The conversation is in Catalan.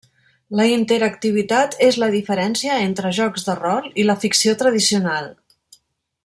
La interactivitat és la diferència entre jocs de rol i la ficció tradicional.